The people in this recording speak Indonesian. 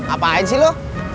apaan sih lu